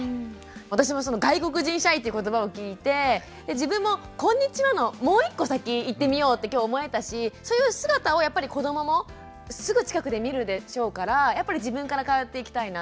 私もその「外国人シャイ」っていう言葉を聞いて自分も「こんにちは」のもう一個先いってみようって今日思えたしそういう姿をやっぱり子どももすぐ近くで見るでしょうからやっぱり自分から変わっていきたいなって。